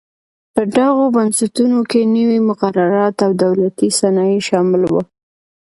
په دغو بنسټونو کې نوي مقررات او دولتي صنایع شامل و.